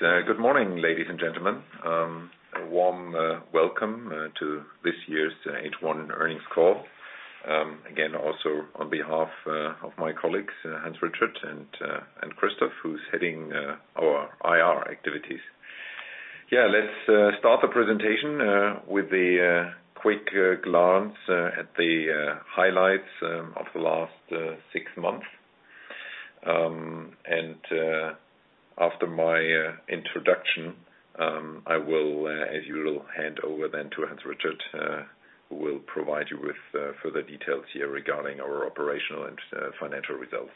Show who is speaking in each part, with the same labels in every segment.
Speaker 1: Good morning, ladies and gentlemen. A warm welcome to this year's H1 earnings call. Again, also on behalf of my colleagues, Hans-Richard and Christoph, who's heading our IR activities. Let's start the presentation with the quick glance at the highlights of the last six months. After my introduction, I will, as usual, hand over then to Hans-Richard, who will provide you with further details here regarding our operational and financial results.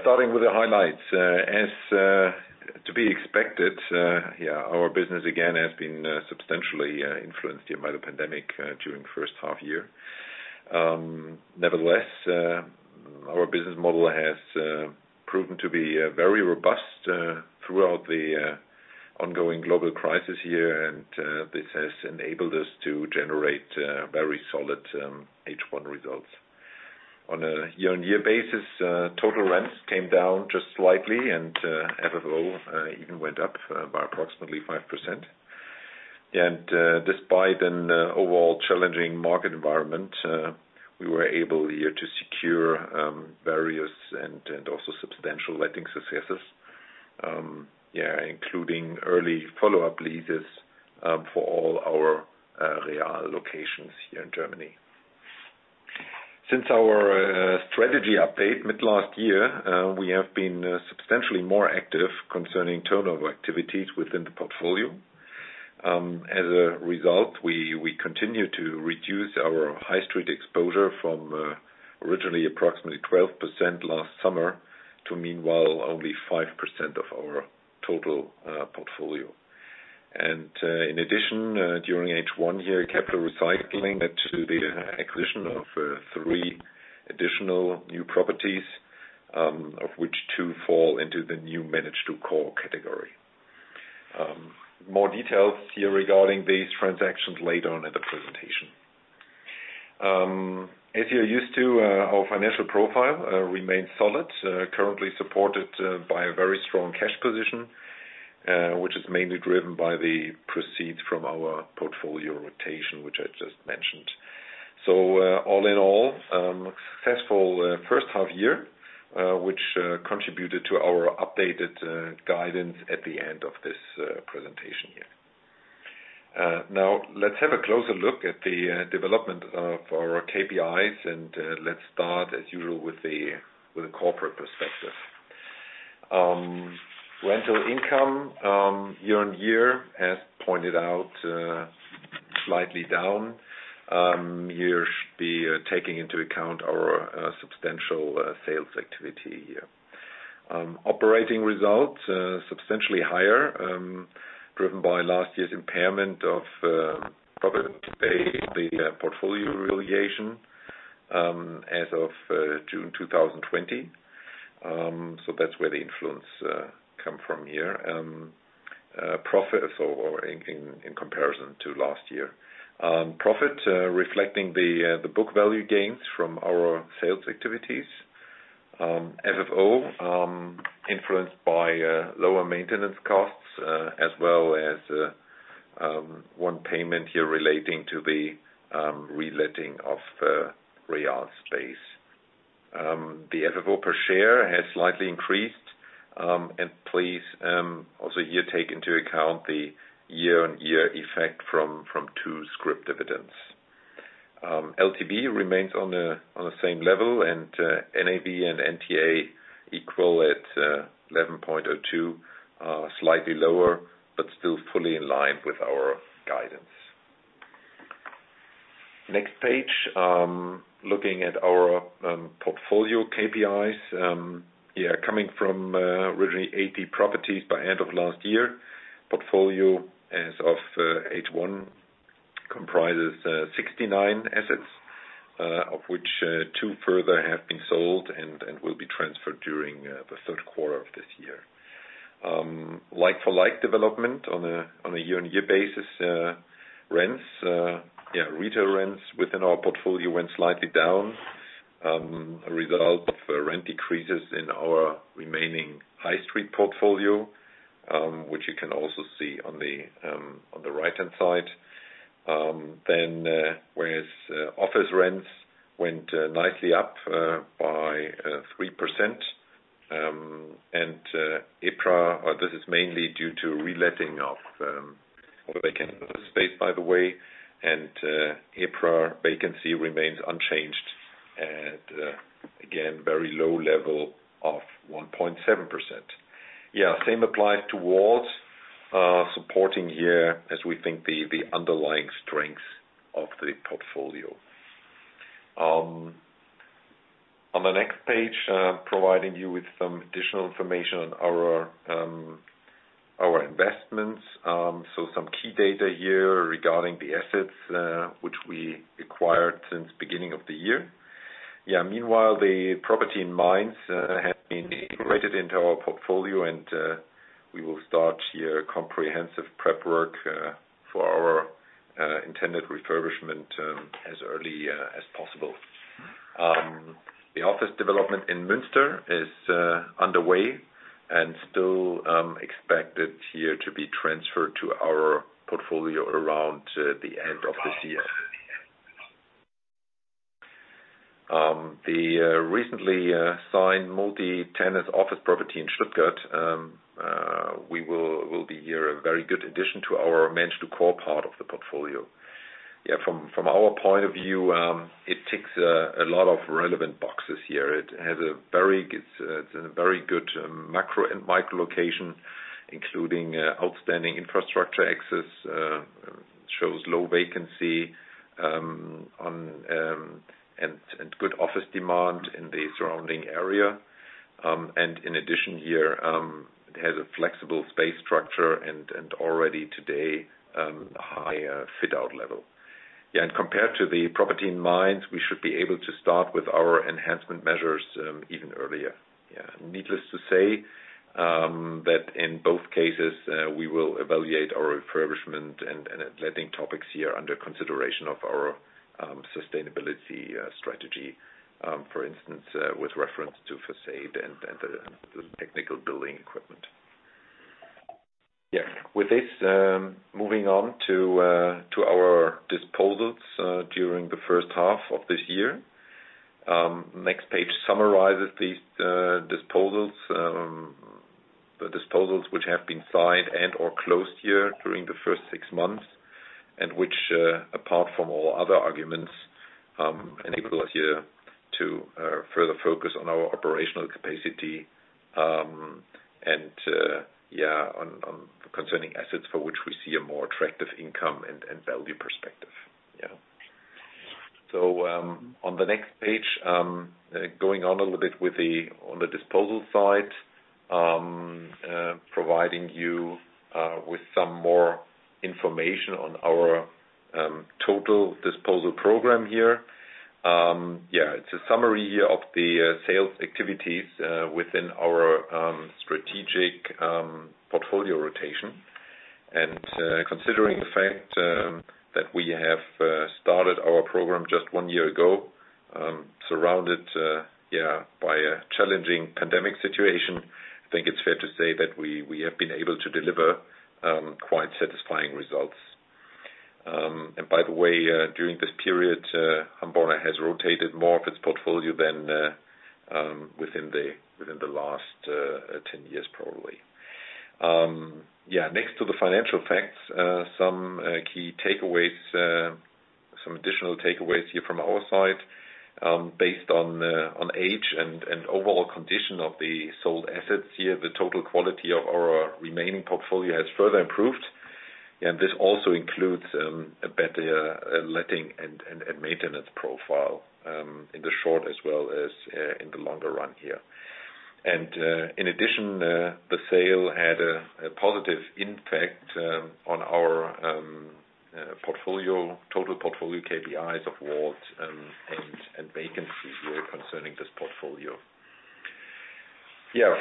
Speaker 1: Starting with the highlights. As to be expected, our business again has been substantially influenced by the pandemic during the first half year. Nevertheless, our business model has proven to be very robust throughout the ongoing global crisis here, and this has enabled us to generate very solid H1 results. On a year-on-year basis, total rents came down just slightly, and FFO even went up by approximately 5%. Despite an overall challenging market environment, we were able here to secure various and also substantial letting successes, including early follow-up leases for all our Real locations here in Germany. Since our strategy update mid last year, we have been substantially more active concerning turnover activities within the portfolio. As a result, we continue to reduce our high street exposure from originally approximately 12% last summer to meanwhile only 5% of our total portfolio. In addition, during H1 here, capital recycling led to the acquisition of three additional new properties, of which two fall into the new manage-to-core category. More details here regarding these transactions later on in the presentation. As you're used to, our financial profile remains solid, currently supported by a very strong cash position which is mainly driven by the proceeds from our portfolio rotation, which I just mentioned. All in all, successful first half year, which contributed to our updated guidance at the end of this presentation here. Let's have a closer look at the development of our KPIs and let's start, as usual, with a corporate perspective. Rental income year-on-year, as pointed out, slightly down. Here should be taking into account our substantial sales activity here. Operating results substantially higher, driven by last year's impairment of property the portfolio revaluation as of June 2020. That's where the influence come from here. Profit in comparison to last year. Profit reflecting the book value gains from our sales activities. FFO influenced by lower maintenance costs, as well as one payment here relating to the reletting of the Real space. The FFO per share has slightly increased. Please also here take into account the year-on-year effect from two scrip dividends. LTV remains on the same level and NAV and NTA equal at 11.02, slightly lower, but still fully in line with our guidance. Next page, looking at our portfolio KPIs. Coming from originally 80 properties by end of last year. Portfolio as of H1 comprises 69 assets, of which two further have been sold and will be transferred during the third quarter of this year. Like for like development on a year-on-year basis, retail rents within our portfolio went slightly down, a result of rent decreases in our remaining high street portfolio, which you can also see on the right-hand side. Whereas office rents went nicely up by 3%. EPRA, this is mainly due to reletting of space, by the way. EPRA vacancy remains unchanged at, again, very low level of 1.7%. Yeah, same applies to WALT supporting here as we think the underlying strengths of the portfolio. On the next page, providing you with some additional information on our investments. Some key data here regarding the assets which we acquired since beginning of the year. Yeah, meanwhile, the property in Mainz has been integrated into our portfolio, and we will start here comprehensive prep work for our intended refurbishment as early as possible. The office development in Münster is underway and still expected here to be transferred to our portfolio around the end of this year. The recently signed multi-tenant office property in Stuttgart will be here a very good addition to our manage to core part of the portfolio. From our point of view, it ticks a lot of relevant boxes here. It's in a very good macro and micro location, including outstanding infrastructure access, shows low vacancy, and good office demand in the surrounding area. In addition here, it has a flexible space structure and already today, high fit-out level. Compared to the property in Mainz, we should be able to start with our enhancement measures even earlier. Needless to say that in both cases, we will evaluate our refurbishment and letting topics here under consideration of our sustainability strategy. For instance, with reference to façade and the technical building equipment. With this, moving on to our disposals during the first half of this year. Next page summarizes these disposals. The disposals which have been signed and/or closed here during the first six months, and which, apart from all other arguments, enable us here to further focus on our operational capacity and concerning assets for which we see a more attractive income and value perspective. On the next page, going on a little bit on the disposal side, providing you with some more information on our total disposal program here. It's a summary here of the sales activities within our strategic portfolio rotation. Considering the fact that we have started our program just one year ago, surrounded by a challenging pandemic situation, I think it's fair to say that we have been able to deliver quite satisfying results. By the way, during this period, Hamborner has rotated more of its portfolio than within the last 10 years probably. Next to the financial facts, some key takeaways, some additional takeaways here from our side. Based on age and overall condition of the sold assets here, the total quality of our remaining portfolio has further improved. This also includes a better letting and maintenance profile in the short as well as in the longer run here. In addition, the sale had a positive impact on our total portfolio KPIs of WALT and vacancy here concerning this portfolio.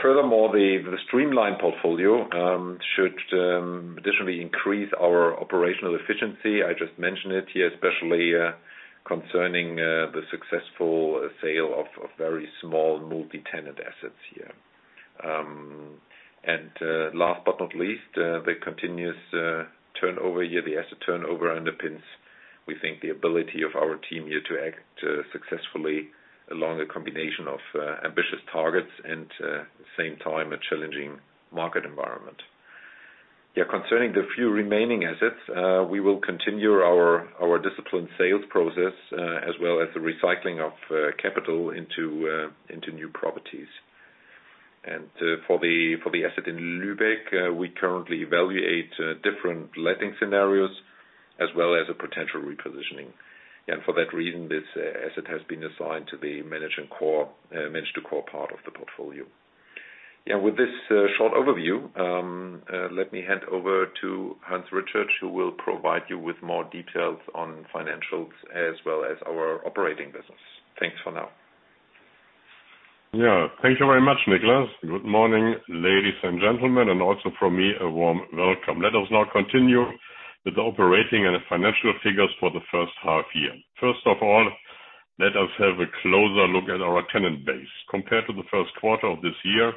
Speaker 1: Furthermore, the streamlined portfolio should additionally increase our operational efficiency. I just mentioned it here, especially concerning the successful sale of very small multi-tenant assets here. Last but not least, the continuous turnover here. The asset turnover underpins, we think, the ability of our team here to act successfully along a combination of ambitious targets and at the same time, a challenging market environment. Concerning the few remaining assets, we will continue our disciplined sales process as well as the recycling of capital into new properties. For the asset in Lübeck, we currently evaluate different letting scenarios as well as a potential repositioning. For that reason, this asset has been assigned to the manage-to-core part of the portfolio. With this short overview, let me hand over to Hans-Richard, who will provide you with more details on financials as well as our operating business. Thanks for now.
Speaker 2: Yeah. Thank you very much, Niclas. Good morning, ladies and gentlemen, and also from me, a warm welcome. Let us now continue with the operating and financial figures for the first half-year. First of all, let us have a closer look at our tenant base. Compared to the first quarter of this year,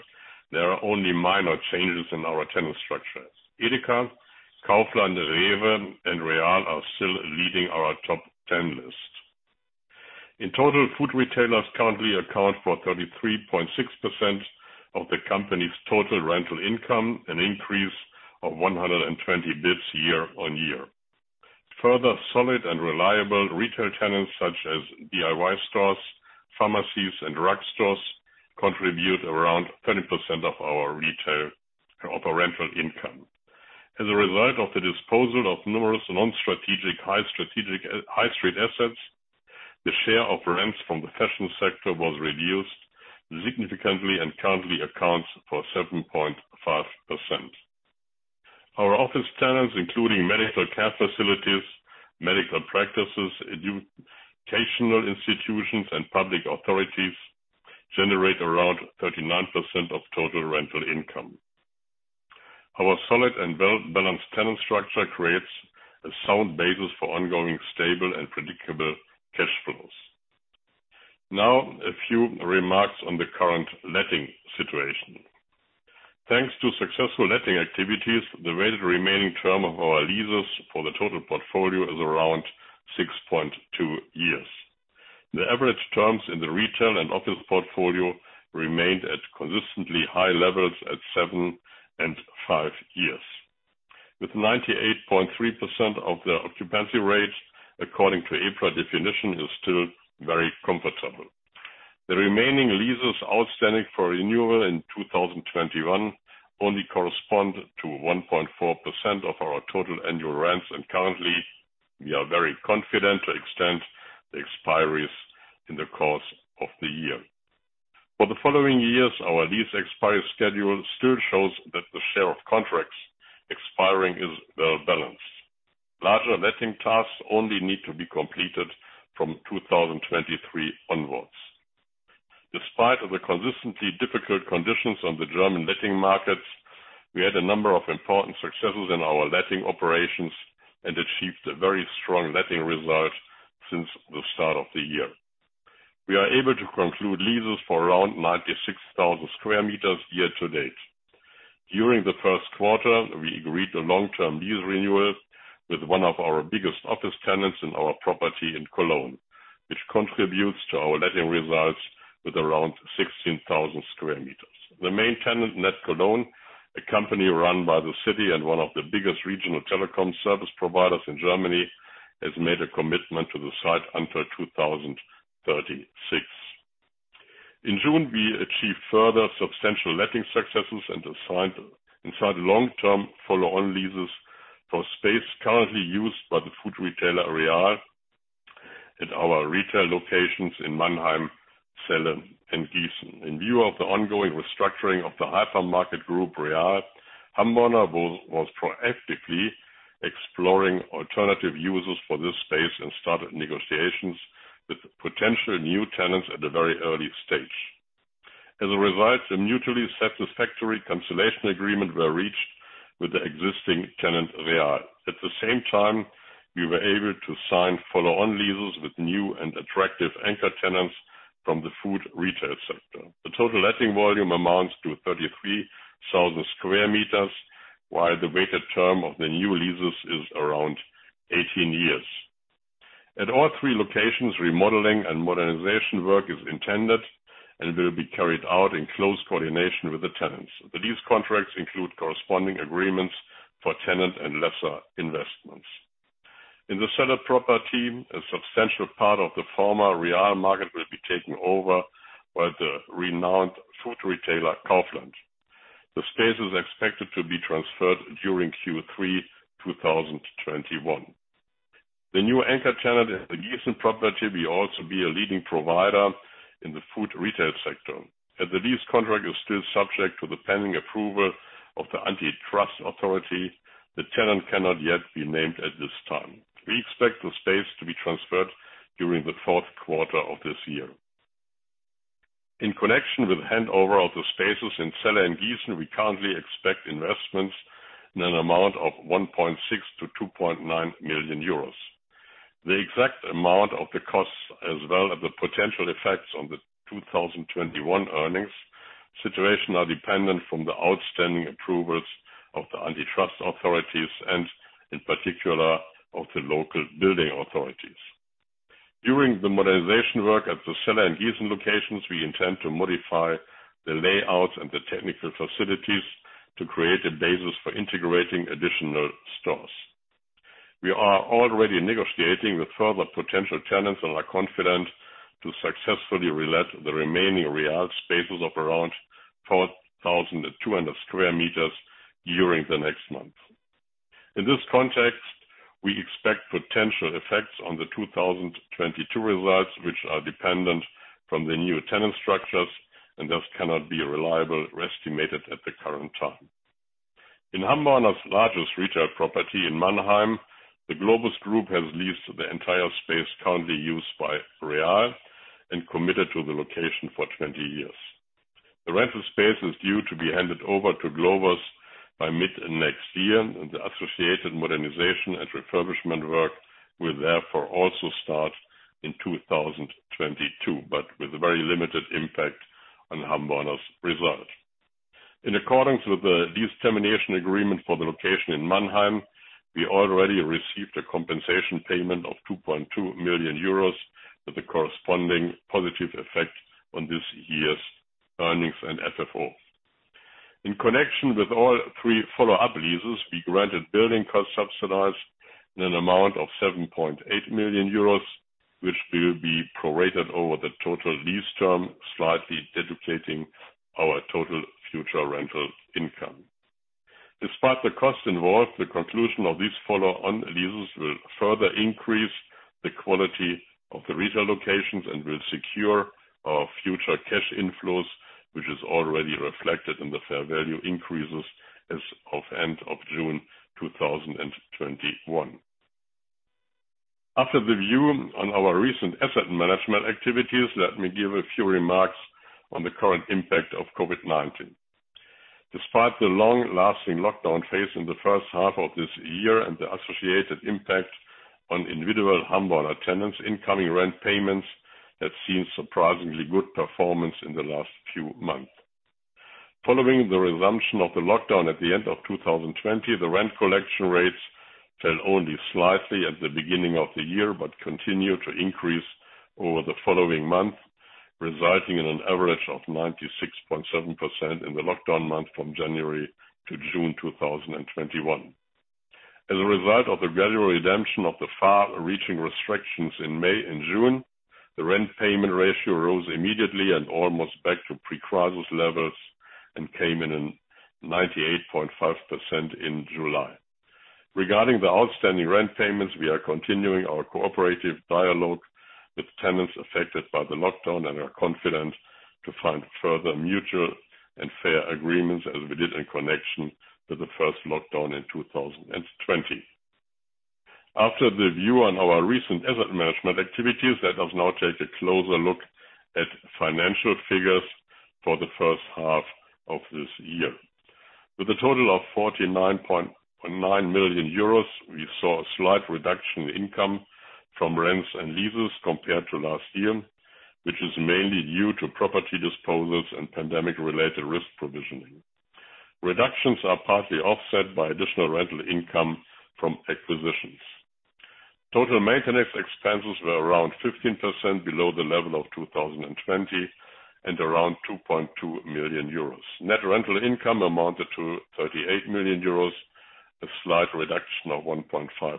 Speaker 2: there are only minor changes in our tenant structures. EDEKA, Kaufland, REWE, and Real are still leading our top 10 list. In total, food retailers currently account for 33.6% of the company's total rental income, an increase of 120 basis points year-on-year. Further solid and reliable retail tenants such as DIY stores, pharmacies, and drug stores contribute around 20% of our retail operational income. As a result of the disposal of numerous non-strategic, high street assets, the share of rents from the fashion sector was reduced significantly and currently accounts for 7.5%. Our office tenants, including medical care facilities, medical practices, educational institutions, and public authorities, generate around 39% of total rental income. Our solid and well-balanced tenant structure creates a sound basis for ongoing, stable, and predictable cash flows. A few remarks on the current letting situation. Thanks to successful letting activities, the weighted remaining term of our leases for the total portfolio is around 6.2 years. The average terms in the retail and office portfolio remained at consistently high levels at seven and five years. With 98.3% of the occupancy rate according to EPRA definition is still very comfortable. The remaining leases outstanding for renewal in 2021 only correspond to 1.4% of our total annual rents, Currently, we are very confident to extend the expiries in the course of the year. For the following years, our lease expiry schedule still shows that the share of contracts expiring is well-balanced. Larger letting tasks only need to be completed from 2023 onwards. Despite the consistently difficult conditions on the German letting markets, we had a number of important successes in our letting operations and achieved a very strong letting result since the start of the year. We are able to conclude leases for around 96,000 sq m year to date. During the first quarter, we agreed a long-term lease renewal with one of our biggest office tenants in our property in Cologne, which contributes to our letting results with around 16,000 sq m. The main tenant, NetCologne, a company run by the city and one of the biggest regional telecom service providers in Germany, has made a commitment to the site until 2036. In June, we achieved further substantial letting successes and signed long-term follow-on leases for space currently used by the food retailer, Real, at our retail locations in Mannheim, Celle, and Gießen. In view of the ongoing restructuring of the hypermarket group, Real, Hamborner was proactively exploring alternative users for this space and started negotiations with potential new tenants at a very early stage. As a result, a mutually satisfactory cancellation agreement was reached with the existing tenant, Real. At the same time, we were able to sign follow-on leases with new and attractive anchor tenants from the food retail sector. The total letting volume amounts to 33,000 sq m, while the weighted term of the new leases is around 18 years. At all three locations, remodeling and modernization work is intended and will be carried out in close coordination with the tenants. The lease contracts include corresponding agreements for tenant and lessor investments. In the Celle property, a substantial part of the former Real market will be taken over by the renowned food retailer, Kaufland. The space is expected to be transferred during Q3 2021. The new anchor tenant in the Giessen property will also be a leading provider in the food retail sector. As the lease contract is still subject to the pending approval of the antitrust authority, the tenant cannot yet be named at this time. We expect the space to be transferred during the fourth quarter of this year. In connection with handover of the spaces in Celle and Giessen we currently expect investments in an amount of 1.6 million-2.9 million euros. The exact amount of the costs as well as the potential effects on the 2021 earnings situation are dependent from the outstanding approvals of the antitrust authorities and, in particular, of the local building authorities. During the modernization work at the Celle and Gießen locations, we intend to modify the layout and the technical facilities to create a basis for integrating additional stores. We are already negotiating with further potential tenants and are confident to successfully relet the remaining Real spaces of around 4,200 sq m during the next months. In this context, we expect potential effects on the 2022 results, which are dependent from the new tenant structures and thus cannot be reliably estimated at the current time. In HAMBORNER's largest retail property in Mannheim, the Globus Group has leased the entire space currently used by Real and committed to the location for 20 years. The rental space is due to be handed over to Globus by mid next year and the associated modernization and refurbishment work will therefore also start in 2022, but with a very limited impact on Hamborner's results. In accordance with the lease termination agreement for the location in Mannheim, we already received a compensation payment of 2.2 million euros with a corresponding positive effect on this year's earnings and FFO. In connection with all three follow-up leases, we granted building cost subsidies in an amount of 7.8 million euros, which will be prorated over the total lease term, slightly dedicating our total future rental income. Despite the cost involved, the conclusion of these follow-on leases will further increase the quality of the retail locations and will secure our future cash inflows, which is already reflected in the fair value increases as of end of June 2021. After the view on our recent asset management activities, let me give a few remarks on the current impact of COVID-19. Despite the long-lasting lockdown faced in the first half of this year and the associated impact on individual Hamborner tenants, incoming rent payments have seen surprisingly good performance in the last few months. Following the resumption of the lockdown at the end of 2020, the rent collection rates fell only slightly at the beginning of the year, but continued to increase over the following month, resulting in an average of 96.7% in the lockdown month from January to June 2021. As a result of the gradual redemption of the far-reaching restrictions in May and June, the rent payment ratio rose immediately and almost back to pre-crisis levels and came in at 98.5% in July. Regarding the outstanding rent payments, we are continuing our cooperative dialogue with tenants affected by the lockdown and are confident to find further mutual and fair agreements as we did in connection with the first lockdown in 2020. After the view on our recent asset management activities, let us now take a closer look at financial figures for the first half of this year. With a total of 49.9 million euros, we saw a slight reduction in income from rents and leases compared to last year, which is mainly due to property disposals and pandemic-related risk provisioning. Reductions are partly offset by additional rental income from acquisitions. Total maintenance expenses were around 15% below the level of 2020 and around 2.2 million euros. Net rental income amounted to 38 million euros, a slight reduction of 1.5%.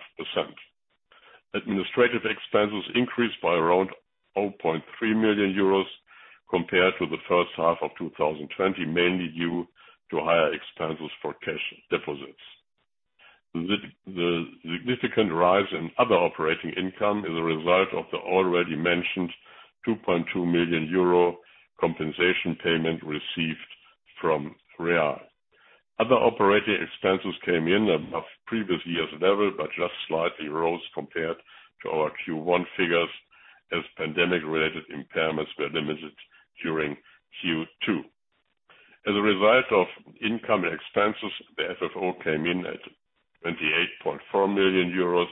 Speaker 2: Administrative expenses increased by around 0.3 million euros compared to the first half of 2020, mainly due to higher expenses for cash deposits. The significant rise in other operating income is a result of the already mentioned 2.2 million euro compensation payment received from Real. Other operating expenses came in above previous year's level, but just slightly rose compared to our Q1 figures as pandemic-related impairments were limited during Q2. As a result of income expenses, the FFO came in at 28.4 million euros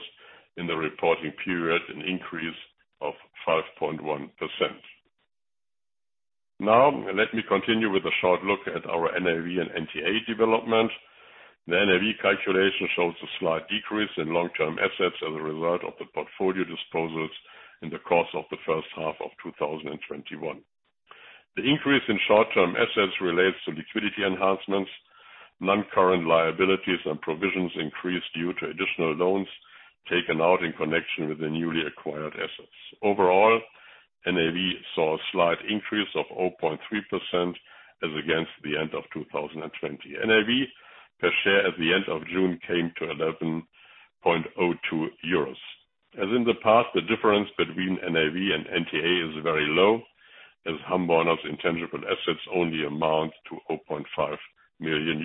Speaker 2: in the reporting period, an increase of 5.1%. Now, let me continue with a short look at our NAV and NTA development. The NAV calculation shows a slight decrease in long-term assets as a result of the portfolio disposals in the course of the first half of 2021. The increase in short-term assets relates to liquidity enhancements. Non-current liabilities and provisions increased due to additional loans taken out in connection with the newly acquired assets. Overall, NAV saw a slight increase of 0.3% as against the end of 2020. NAV per share at the end of June came to 11.02 euros. As in the past, the difference between NAV and NTA is very low as Hamborner's intangible assets only amount to €0.5 million.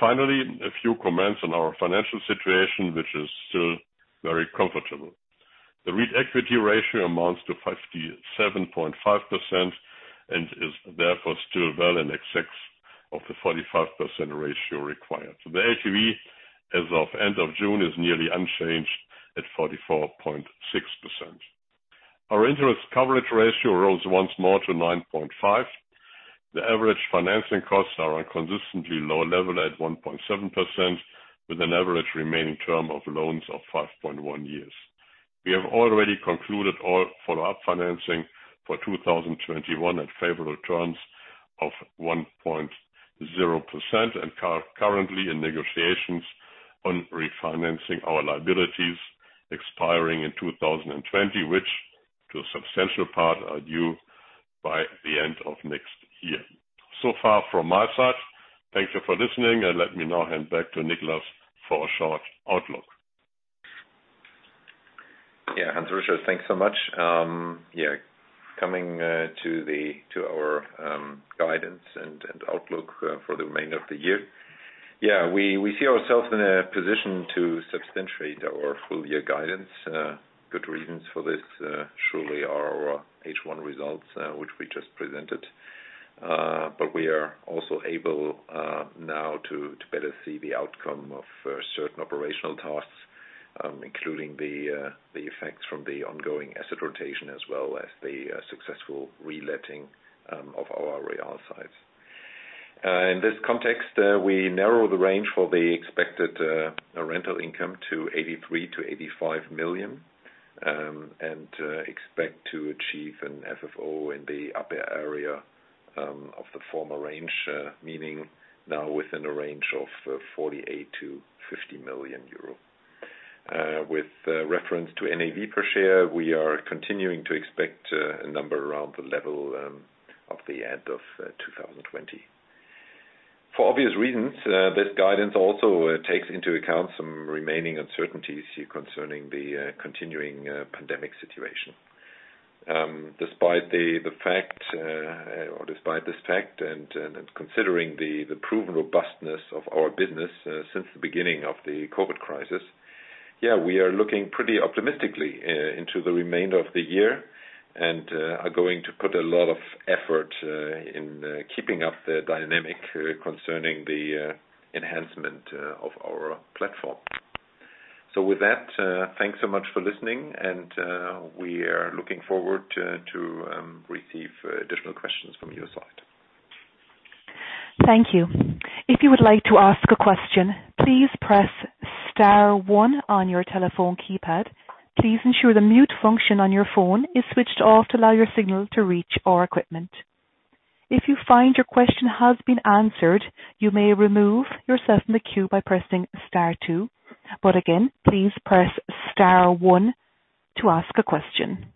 Speaker 2: A few comments on our financial situation, which is still very comfortable. The REIT equity ratio amounts to 57.5% and is therefore still well in excess of the 45% ratio required. The HV as of end of June is nearly unchanged at 44.6%. Our interest coverage ratio rose once more to 9.5. The average financing costs are on consistently lower level at 1.7%, with an average remaining term of loans of 5.1 years. We have already concluded all follow-up financing for 2021 at favorable terms of 1.0% and are currently in negotiations on refinancing our liabilities expiring in 2020, which to a substantial part are due by the end of next year. Far from my side. Thank you for listening, and let me now hand back to Niclas for a short outlook.
Speaker 1: Hans-Richard, thanks so much. Coming to our guidance and outlook for the remainder of the year. We see ourselves in a position to substantiate our full year guidance. Good reasons for this truly are our H1 results, which we just presented. We are also able now to better see the outcome of certain operational tasks, including the effects from the ongoing asset rotation, as well as the successful reletting of our Real sites. In this context, we narrow the range for the expected rental income to 83 million-85 million, and expect to achieve an FFO in the upper area of the former range. Meaning now within a range of 48 million-50 million euro. With reference to NAV per share, we are continuing to expect a number around the level of the end of 2020. For obvious reasons, this guidance also takes into account some remaining uncertainties concerning the continuing pandemic situation. Despite this fact, and considering the proven robustness of our business since the beginning of the COVID crisis, we are looking pretty optimistically into the remainder of the year and are going to put a lot of effort into keeping up the dynamic concerning the enhancement of our platform. With that, thanks so much for listening, and we are looking forward to receive additional questions from your side.
Speaker 3: Thank you. If you would like a question please press star one on your telephone keypad. Please ensure that mute function on your phone is switched off to allow the signal to reach our equipment. If you find your question has been answered you may remove yourself from the queue by pressing star two. But again, please press star one to ask a question.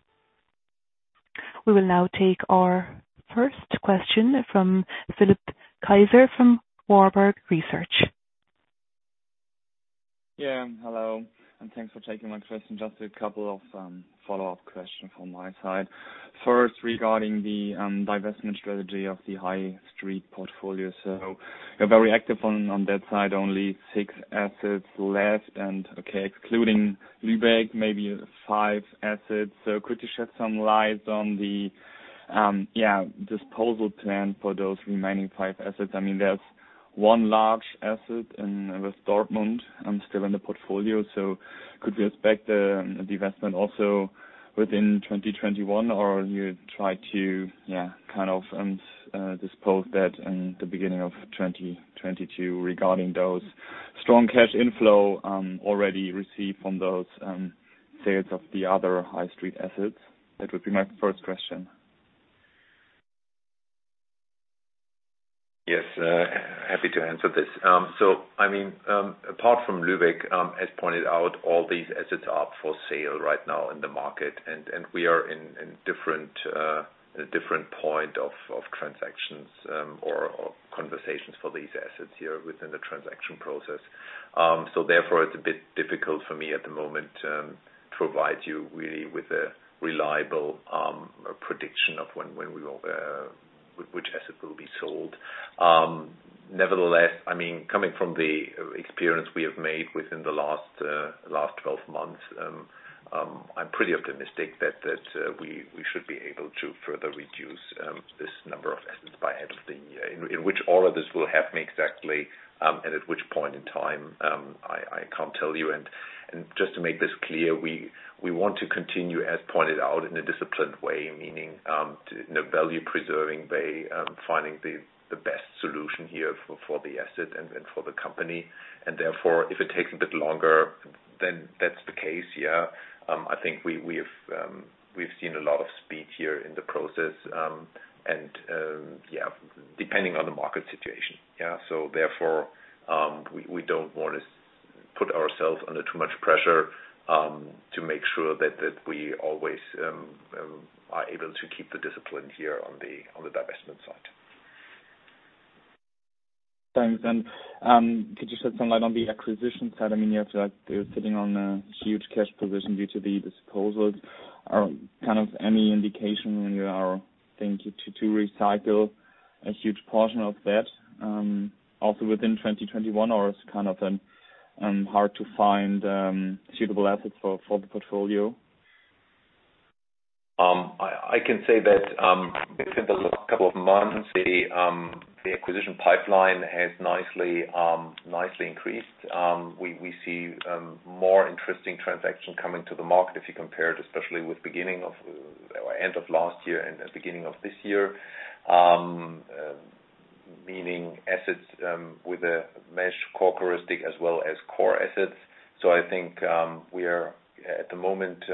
Speaker 3: We will now take our first question from Philipp Kaiser of Warburg Research.
Speaker 4: Yeah. Hello, thanks for taking my question. Just a couple of follow-up questions from my side. First, regarding the divestment strategy of the high street portfolio. You're very active on that side. Only six assets left and, okay, excluding Lübeck, maybe five assets. Could you shed some light on the disposal plan for those remaining five assets? There's one large asset with Dortmund still in the portfolio. Could we expect the divestment also within 2021, or you try to dispose of that in the beginning of 2022 regarding that strong cash inflow already received from the sales of the other high street assets? That would be my first question.
Speaker 1: Yes. Happy to answer this. Apart from Lübeck, as pointed out, all these assets are up for sale right now in the market, and we are in a different point of transactions or conversations for these assets here within the transaction process. Therefore, it's a bit difficult for me at the moment to provide you with a reliable prediction of which asset will be sold. Nevertheless, coming from the experience we have made within the last 12 months, I'm pretty optimistic that we should be able to further reduce this number of assets by end of the year. In which order this will happen exactly and at which point in time, I can't tell you. Just to make this clear, we want to continue, as pointed out, in a disciplined way, meaning in a value-preserving way, finding the best solution here for the asset and for the company. Therefore, if it takes a bit longer, then that's the case. I think we've seen a lot of speed here in the process, and depending on the market situation. Therefore, we don't want to put ourselves under too much pressure to make sure that we always are able to keep the discipline here on the divestment side.
Speaker 4: Thanks. Could you shed some light on the acquisition side? You have sitting on a huge cash position due to the disposals. Are kind of any indication when you are thinking to recycle a huge portion of that also within 2021, or it's kind of hard to find suitable assets for the portfolio?
Speaker 1: I can say that within the last couple of months, the acquisition pipeline has nicely increased. We see more interesting transactions coming to the market if you compare it, especially with end of last year and beginning of this year, meaning assets with a manage-to-core characteristic as well as core assets. I think at the moment,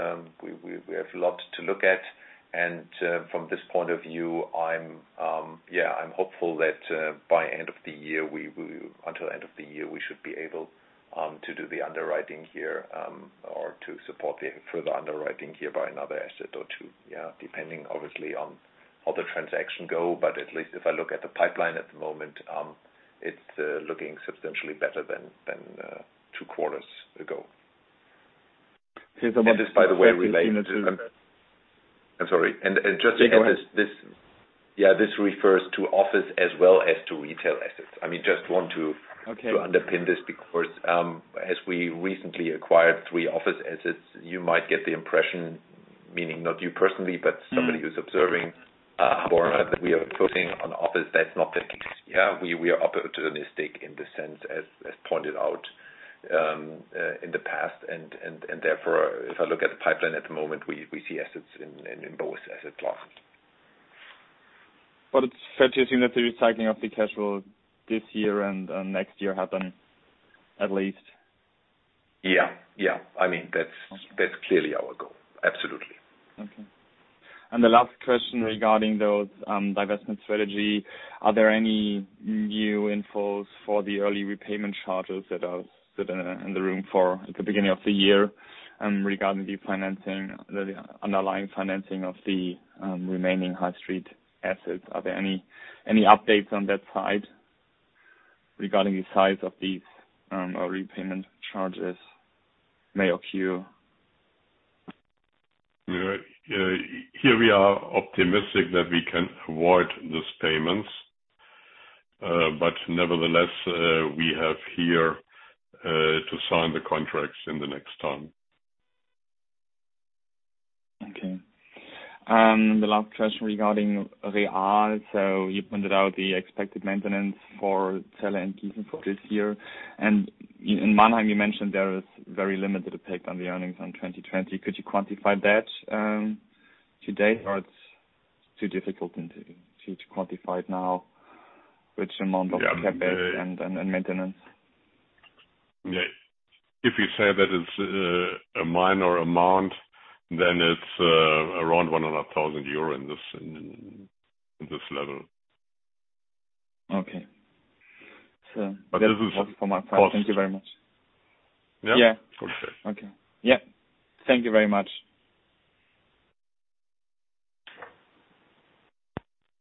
Speaker 1: we have lots to look at. From this point of view, I'm hopeful that until end of the year, we should be able to do the underwriting here or to support the further underwriting here by another asset or two. Depending, obviously, on how the transaction go, but at least if I look at the pipeline at the moment, it's looking substantially better than two quarters ago.
Speaker 4: Here's the one-
Speaker 1: This, by the way, relates to I'm sorry.
Speaker 4: Go ahead.
Speaker 1: yeah, this refers to office as well as to retail assets.
Speaker 4: Okay
Speaker 1: underpin this because, as we recently acquired three office assets, you might get the impression, meaning not you personally, but somebody who's observing Hamborner that we are pushing on office. That's not the case. We are opportunistic in this sense, as pointed out in the past. Therefore, if I look at the pipeline at the moment, we see assets in both asset classes.
Speaker 4: It's fair to assume that the recycling of the cash will this year and next year happen, at least?
Speaker 1: Yeah. That's clearly our goal. Absolutely.
Speaker 4: Okay. The last question regarding those divestment strategy, are there any new infos for the early repayment charges that are still in the room for the beginning of the year regarding the underlying financing of the remaining high street assets? Are there any updates on that side regarding the size of these repayment charges may occur?
Speaker 2: Here we are optimistic that we can avoid these payments. Nevertheless, we have here to sign the contracts in the next term.
Speaker 4: Okay. The last question regarding Real. You pointed out the expected maintenance for Celle and Gießen for this year. In Mannheim, you mentioned there is very limited effect on the earnings on 2020. Could you quantify that today, or it's too difficult to quantify it now, which amount of CapEx and maintenance?
Speaker 2: If you say that it's a minor amount, then it's around 100,000 euro in this level.
Speaker 4: Okay. That was all from my side. Thank you very much.
Speaker 2: Yeah.
Speaker 4: Yeah. Okay. Yeah. Thank you very much.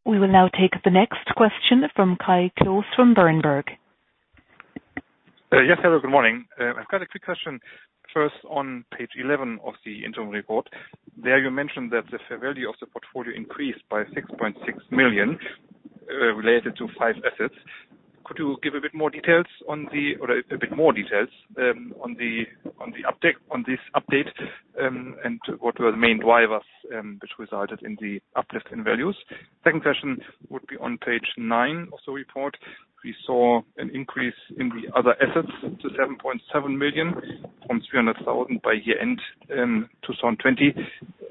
Speaker 3: We will now take the next question from Kai Klose from Berenberg.
Speaker 5: Yes. Hello, good morning. I've got a quick question first on page 11 of the interim report. There you mentioned that the fair value of the portfolio increased by 6.6 million, related to five assets. Could you give a bit more details on this update, and what were the main drivers, which resulted in the uplift in values? Second question would be on page nine of the report. We saw an increase in the other assets to 7.7 million from 300,000 by year-end in 2020.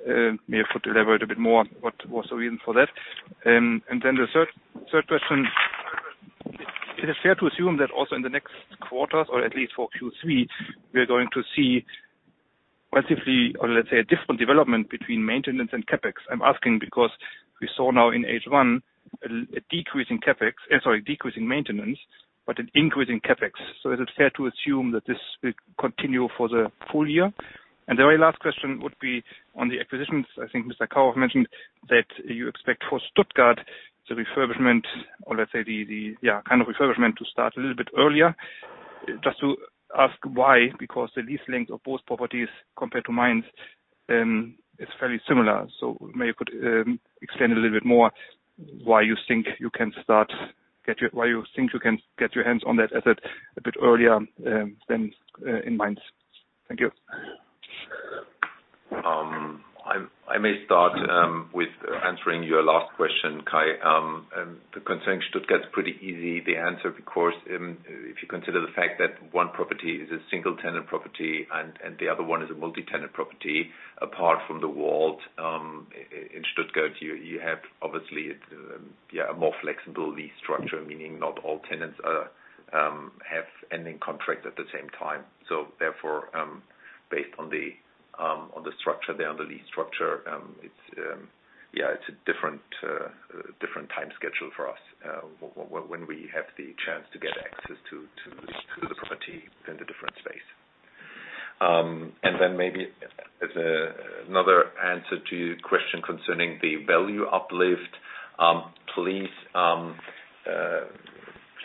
Speaker 5: Maybe you could elaborate a bit more on what was the reason for that. The 3rd question. Is it fair to assume that also in the next quarters, or at least for Q3, we are going to see massively, or let's say, a different development between maintenance and CapEx? I'm asking because we saw now in H1 a decrease in maintenance, but an increase in CapEx. Is it fair to assume that this will continue for the full year? The very last question would be on the acquisitions. I think Mr. Karoff mentioned that you expect for Stuttgart, the refurbishment, or let's say the kind of refurbishment to start a little bit earlier. Just to ask why, because the lease length of both properties compared to Mainz, it's fairly similar. Maybe you could explain a little bit more why you think you can get your hands on that asset a bit earlier, than in Mainz. Thank you.
Speaker 1: I may start with answering your last question, Kai. The concerning Stuttgart is pretty easy. The answer, because if you consider the fact that one property is a single tenant property and the other one is a multi-tenant property, apart from the WALT. In Stuttgart, you have obviously a more flexible lease structure, meaning not all tenants have ending contract at the same time. Therefore, based on the lease structure, it's a different time schedule for us, when we have the chance to get access to the property in the different space. Then maybe as another answer to your question concerning the value uplift.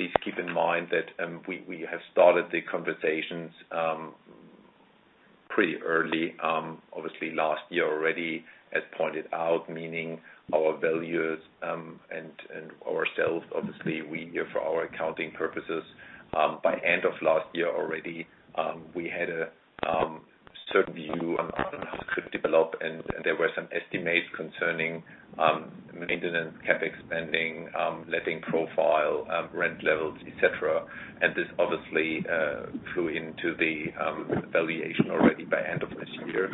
Speaker 1: Please keep in mind that we have started the conversations pretty early, obviously last year already, as pointed out, meaning our values, and ourselves, obviously, we here for our accounting purposes. By end of last year already, we had a certain view on how this could develop. There were some estimates concerning maintenance, CapEx spending, letting profile, rent levels, et cetera. This obviously, flew into the valuation already by end of this year.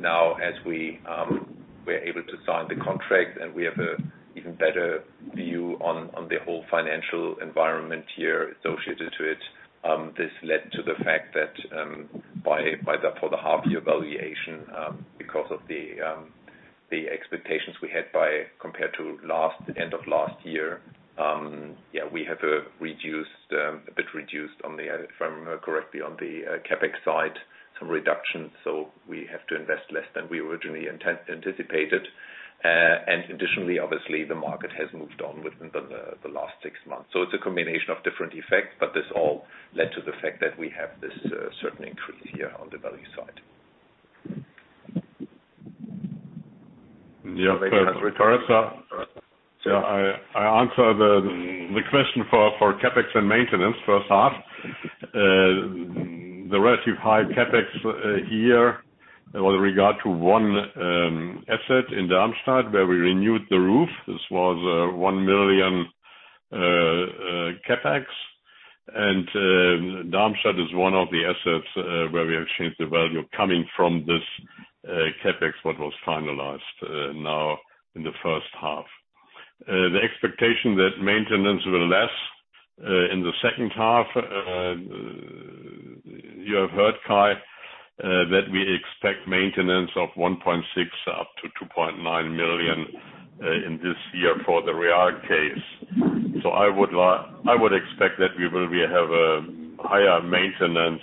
Speaker 1: Now as we're able to sign the contract and we have an even better view on the whole financial environment here associated to it. This led to the fact that, for the half-year valuation, because of the expectations we had by compared to end of last year. We have a bit reduced if I remember correctly on the CapEx side, some reductions. We have to invest less than we originally anticipated. Additionally, obviously, the market has moved on within the last six months. It's a combination of different effects, but this all led to the fact that we have this certain increase here on the value side.
Speaker 2: Yeah. I answer the question for CapEx and maintenance first half. The relative high CapEx here with regard to one asset in Darmstadt where we renewed the roof. This was 1 million CapEx. Darmstadt is one of the assets where we have changed the value coming from this CapEx what was finalized now in the first half. The expectation that maintenance will less in the second half. You have heard, Kai Klose, that we expect maintenance of 1.6 million up to 2.9 million in this year for the Real case. I would expect that we will have a higher maintenance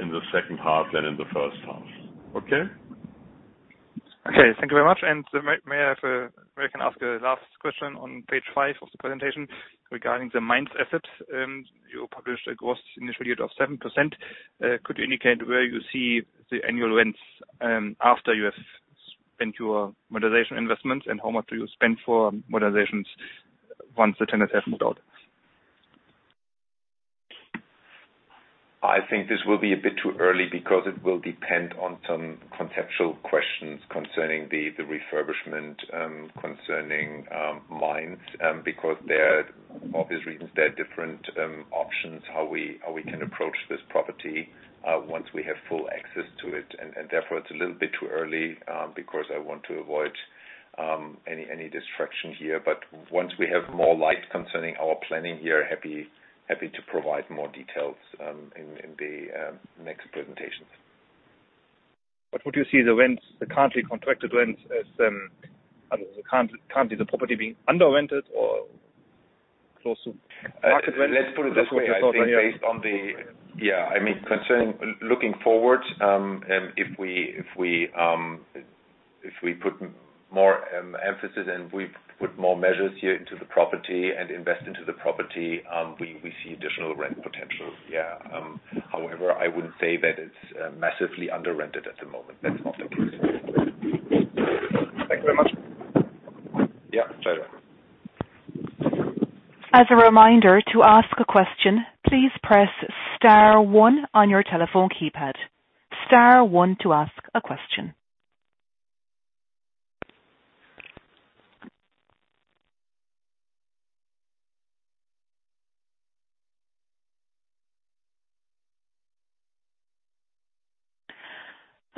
Speaker 2: in the second half than in the first half. Okay?
Speaker 5: Okay, thank you very much. May I ask a last question on page five of the presentation regarding the Mainz assets. You published a gross initial yield of 7%. Could you indicate where you see the annual rents after you have spent your modernization investments, and how much do you spend for modernizations once the tenants have moved out?
Speaker 1: I think this will be a bit too early because it will depend on some conceptual questions concerning the refurbishment concerning Mainz because there are obvious reasons, there are different options how we can approach this property once we have full access to it. Therefore, it's a little bit too early because I want to avoid any distraction here. Once we have more light concerning our planning here, happy to provide more details in the next presentations.
Speaker 5: Would you see the rents, the currently contracted rents as the property being under-rented or close to market rent?
Speaker 1: Let's put it this way, I think based on the concerning looking forward, if we put more emphasis and we put more measures here into the property and invest into the property, we see additional rent potential. Yeah. However, I wouldn't say that it's massively under-rented at the moment. That's not the case.
Speaker 5: Thank you very much.
Speaker 1: Yeah. Pleasure.
Speaker 3: As a reminder, to ask a question, please press star one on your telephone keypad. Star one to ask a question.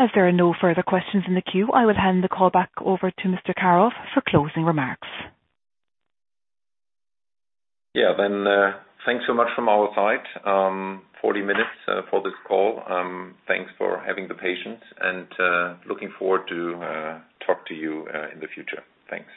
Speaker 3: As there are no further questions in the queue, I will hand the call back over to Mr. Karoff for closing remarks.
Speaker 1: Yeah. Thanks so much from our side. 40 minutes for this call. Thanks for having the patience and looking forward to talk to you in the future. Thanks.